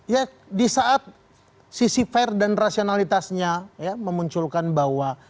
ya di saat sisi fair dan rasionalitasnya ya memunculkan bahwa